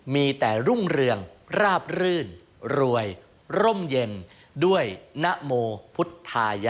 มีแต่รุ่งเรืองราบรื่นรวยร่มเย็นด้วยนโมพุทธายะ